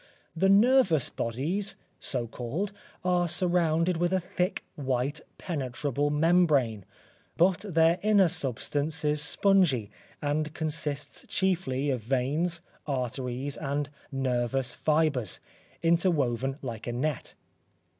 The nervous bodies (so called) are surrounded with a thick white, penetrable membrane, but their inner substance is spongy, and consists chiefly of veins, arteries, and nervous fibres, interwoven like a net.